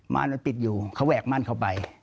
ม่านมันปิดอยู่เขาแหวกม่านเข้าไป